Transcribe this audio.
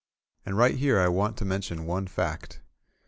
And right here I W£^nt to mention one fact.